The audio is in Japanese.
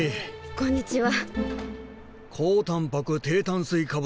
こんにちは。